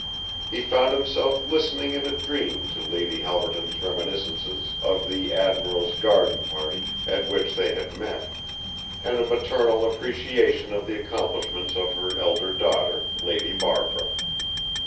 He found himself listening in a dream to Lady Halberton's reminiscences of the Admiral's garden party, at which they had met, and a maternal appreciation of the accomplishments of her elder daughter, Lady Barbara.